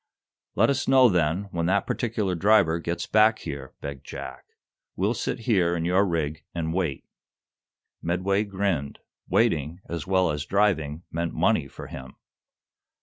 "Let us know, then, when that particular driver gets back here," begged Jack. "We'll sit here in your rig and wait." Medway grinned. Waiting, as well as driving, meant money for him.